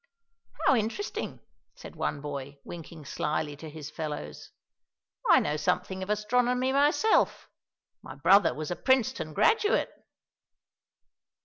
"How interesting," said one boy, winking slyly to his fellows. "I know something of astronomy myself; my brother was a Princeton graduate."